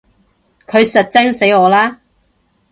佢實憎死我啦！